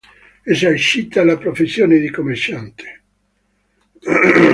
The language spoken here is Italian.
Esercita la professione di commerciante.